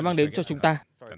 mang đến cho chúng ta